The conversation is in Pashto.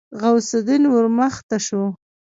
غوث الدين ورمخته شو.